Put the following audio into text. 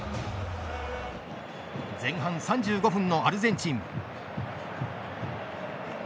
前半３５分のアルゼンチン。